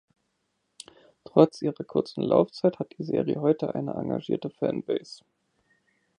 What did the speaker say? Trotz ihrer kurzen Laufzeit hat die Serie heute eine engagierte Fanbase.